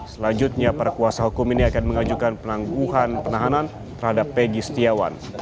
selanjutnya para kuasa hukum ini akan mengajukan penangguhan penahanan terhadap egy setiawan